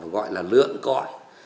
gọi là lượn cõi